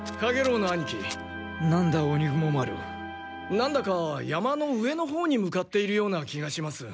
なんだか山の上のほうに向かっているような気がします。